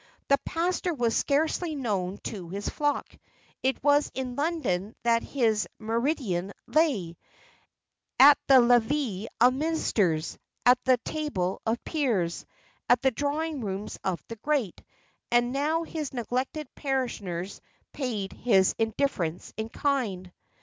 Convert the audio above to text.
The pastor was scarcely known to his flock; it was in London that his meridian lay, at the levee of ministers, at the table of peers, at the drawing rooms of the great; and now his neglected parishioners paid his indifference in kind.